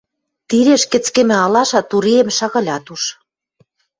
тиреш кӹцкӹмӹ алаша туреэм шагалят уж.